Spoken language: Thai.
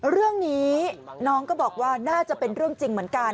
เรื่องนี้น้องก็บอกว่าน่าจะเป็นเรื่องจริงเหมือนกัน